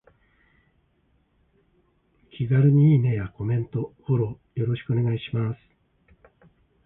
気軽にいいねやコメント、フォローよろしくお願いします。